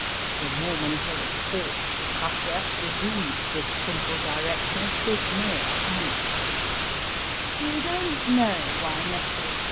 The Mormon Hill Quartz Crustier relieved this simple directness with more fancy : We don t know why Messrs.